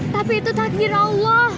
tapi itu takdir allah